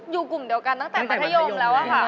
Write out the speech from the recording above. อยู่กลุ่มเดียวกันตั้งแต่มัธยมแล้วค่ะ